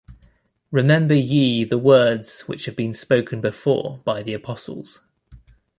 remember ye the words which have been spoken before by the apostles.